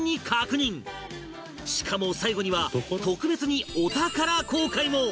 しかも最後には特別にお宝公開も